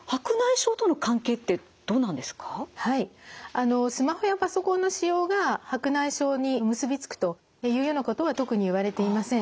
あのスマホやパソコンの使用が白内障に結び付くというようなことは特に言われていません。